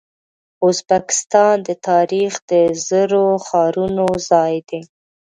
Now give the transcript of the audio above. ازبکستان د تاریخ د زرو ښارونو ځای دی.